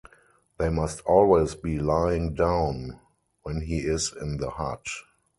They must always be lying down when he is in the hut.